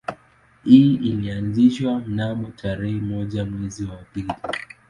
Hii ilianzishwa mnamo tarehe moja mwezi wa pili